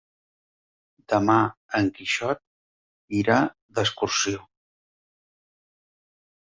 Demà en Quixot irà d'excursió.